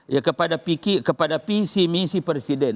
ya kepada visi misi presiden